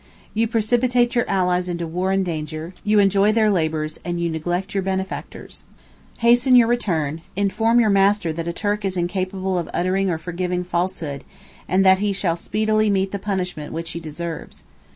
You precipitate your allies into war and danger, you enjoy their labors, and you neglect your benefactors. Hasten your return, inform your master that a Turk is incapable of uttering or forgiving falsehood, and that he shall speedily meet the punishment which he deserves.